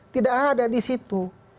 tidak ada di situ